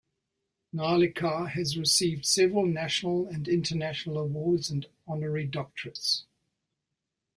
Narlikar has received several national and international awards and honorary doctorates.